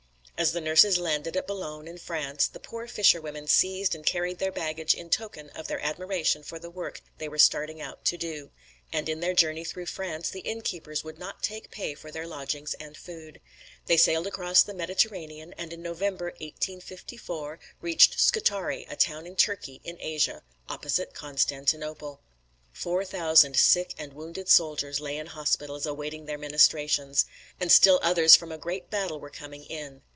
As the nurses landed at Boulogne in France, the poor fisherwomen seized and carried their baggage in token of their admiration for the work they were starting out to do. And in their journey through France the innkeepers would not take pay for their lodgings and food. They sailed across the Mediterranean and in November, 1854, reached Scutari, a town in Turkey in Asia, opposite Constantinople. Four thousand sick and wounded soldiers lay in the hospitals awaiting their ministrations. And still others from a great battle were coming in.